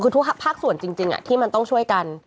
คือทุกภักษ์ส่วนจริงได้ช่วยกัน